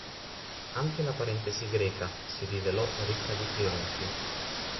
Anche la parentesi greca si rivelò ricca di trionfi.